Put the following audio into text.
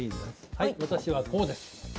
はい私はこうです。